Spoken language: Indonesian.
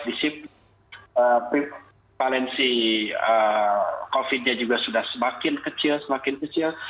disiplin prevalensi covid nya juga sudah semakin kecil semakin kecil